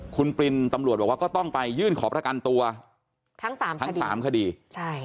คุณปรินตำรวจบอกว่าก็ต้องไปยื่นขอประกันตัวทั้งสามทั้งสามคดีใช่